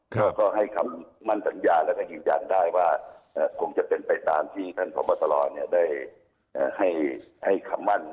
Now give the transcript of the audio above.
แล้วก็ให้คำมั่นสัญญาและสัญญาณได้ว่าคงจะเป็นไปตามที่ท่านพศได้ให้คำมั่น